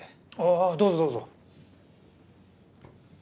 あどうぞどうぞ。